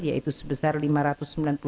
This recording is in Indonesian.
yaitu sebesar rp lima ratus sembilan puluh persen